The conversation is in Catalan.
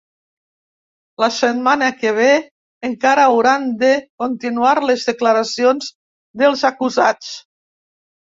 La setmana que ve encara hauran de continuar les declaracions dels acusats.